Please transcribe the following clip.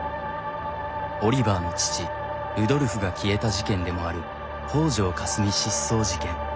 オリバーの父ルドルフが消えた事件でもある「北條かすみ失踪事件」。